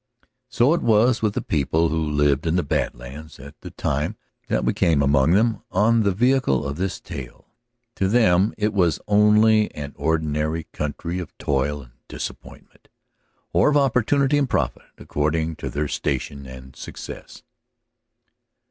So it was with the people who lived in the Bad Lands at the time that we come among them on the vehicle of this tale. To them it was only an ordinary country of toil and disappointment, or of opportunity and profit, according to their station and success.